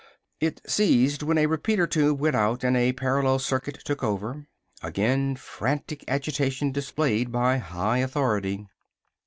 It ceased when a repeater tube went out and a parallel circuit took over. Again, frantic agitation displayed by high authority.